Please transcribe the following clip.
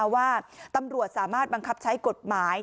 ว่าตำรวจสามารถบังคับใช้กฎหมาย